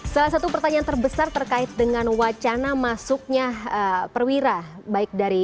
salah satu pertanyaan terbesar terkait dengan wacana masuknya perwira